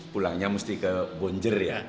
pulangnya mesti ke bonjer ya